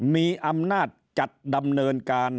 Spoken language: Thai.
มีอำนาจจัดดำเนินการ